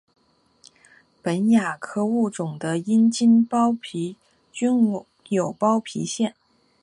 本亚科物种的阴茎包皮均有包皮腺。